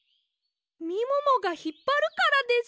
みももがひっぱるからです！